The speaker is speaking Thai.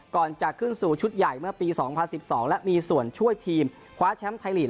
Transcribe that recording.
ก่อนจะขึ้นสู่ชุดใหญ่เมื่อปี๒๐๑๒และมีส่วนช่วยทีมคว้าแชมป์ไทยลีก